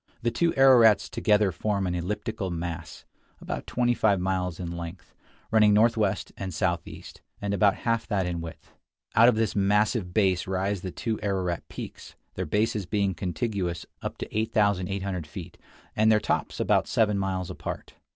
The two Ararats together form an elliptical mass, about twenty five miles in length, running northwest and southeast, and about half that in width. Out of this massive base rise the two Ararat peaks, their bases being contiguous up to 8800 feet and their tops about seven miles apart.